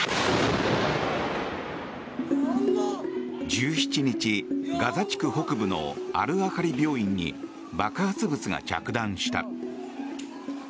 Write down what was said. １７日、ガザ地区北部のアル・アハリ病院に爆発物が着弾した。